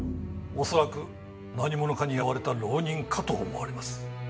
恐らく何者かに雇われた浪人かと思われます。